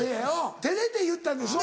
照れて言ったんですね。